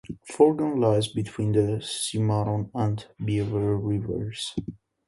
Forgan lies between the Cimarron and Beaver rivers.